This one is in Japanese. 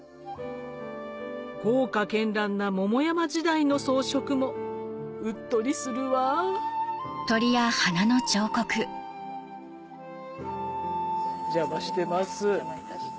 豪華絢爛な桃山時代の装飾もうっとりするわお邪魔してます。